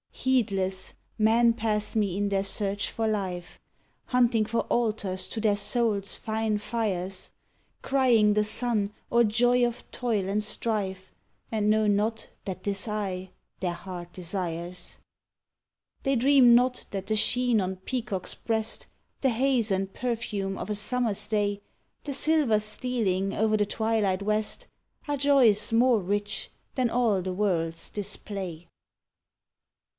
"Heedless men pass me in their search for life, Hunting for altars to their souls' fine fires, Crying the sun or joy of toil and strife And know not that 'tis I their heart desires. They dream not that the sheen on peacock's breast, The haze and perfume of a Summer's day, The silver stealing o'er the twilight West Are joys more rich than all the world's display."